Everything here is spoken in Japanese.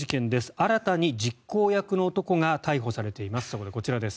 新たに実行役の男が逮捕されています。